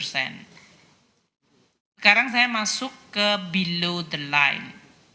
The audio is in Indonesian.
sekarang saya masuk ke below the line